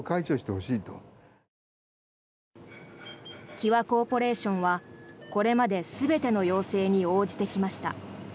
際コーポレーションはこれまで全ての要請に応じてきました。